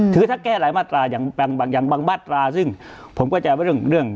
ถือถ้าแก้หลายมาตราอย่างบางมาตราซึ่งผมก็จะเรียกว่าเรื่อง